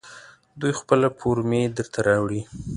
دوی خپله فورمې درته راوړي.